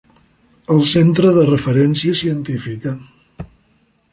El centre de referència científica.